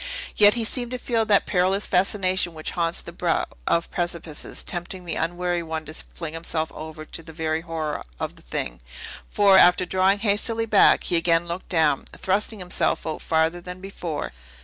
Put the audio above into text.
Yet he seemed to feel that perilous fascination which haunts the brow of precipices, tempting the unwary one to fling himself over for the very horror of the thing; for, after drawing hastily back, he again looked down, thrusting himself out farther than before.